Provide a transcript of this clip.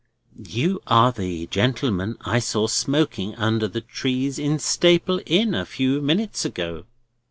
"You are the gentleman I saw smoking under the trees in Staple Inn, a few minutes ago."